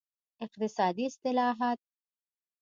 اقتصادي اصلاحات د بازارونو په ازادولو کې مرسته وکړي.